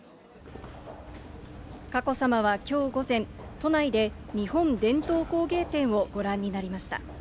佳子さまはきょう午前、都内で日本伝統工芸展をご覧になりました。